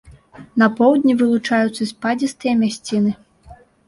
На поўдні вылучаюцца спадзістыя мясціны.